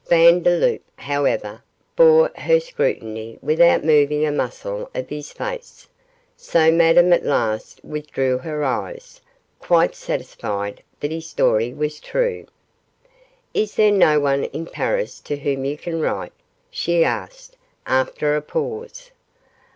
Vandeloup, however, bore her scrutiny without moving a muscle of his face, so Madame at last withdrew her eyes, quite satisfied that his story was true. 'Is there no one in Paris to whom you can write?' she asked, after a pause.